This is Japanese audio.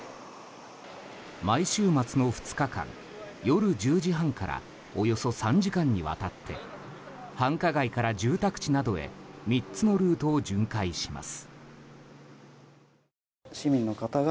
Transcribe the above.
毎週末の２日間、夜１０時半からおよそ３時間にわたって繁華街から住宅地などへ３つのルートを巡回します。